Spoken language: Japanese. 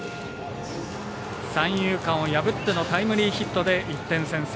三遊間を破ってのタイムリーヒットで１点先制。